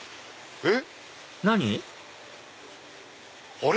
えっ？